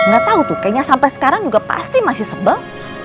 gatau tuh kayaknya sampe sekarang juga pasti masih sebel